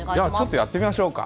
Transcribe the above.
やってみましょう。